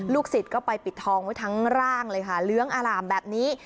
ศิษย์ก็ไปปิดทองไว้ทั้งร่างเลยค่ะเลี้ยงอร่ามแบบนี้